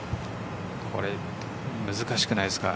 これ、難しくないですか？